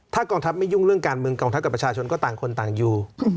ถ้ากองทัพไม่ยุ่งเรื่องการเมืองกองทัพกับประชาชนก็ต่างคนต่างอยู่